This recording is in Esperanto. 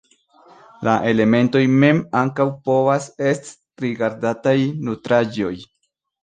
La elementoj mem ankaŭ povas est rigardataj nutraĵoj.